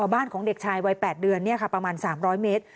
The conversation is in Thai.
บ้านของเด็กชายวัย๘เดือนประมาณ๓๐๐เมตร